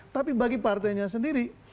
tapi bagi partainya sendiri